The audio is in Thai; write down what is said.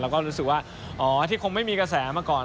แล้วก็รู้สึกว่าอ๋อที่คงไม่มีกระแสมาก่อน